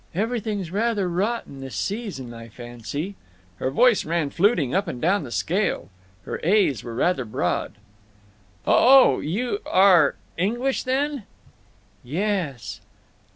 "Everything's rather rotten this season, I fancy." Her voice ran fluting up and down the scale. Her a's were very broad. "Oh—oh—y you are English, then?" "Yes!"